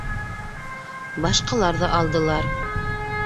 Башҡалар ҙа алдылар: